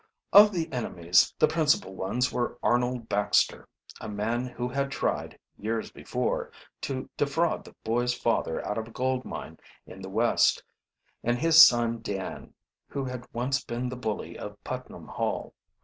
Of the enemies the principal ones were Arnold Baxter, a man who had tried, years before, to defraud the boys' father out of a gold mine in the West, and his son Dan, who had once been the bully of Putnam Hall.